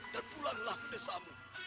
dan pulanglah ke desamu